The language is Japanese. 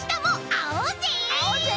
あおうぜ！